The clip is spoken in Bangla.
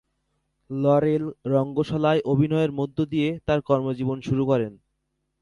লরেল রঙ্গশালায় অভিনয়ের মধ্য দিয়ে তার কর্মজীবন শুরু করেন।